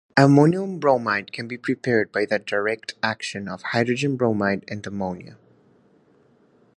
Ammonium bromide can be prepared by the direct action of hydrogen bromide on ammonia.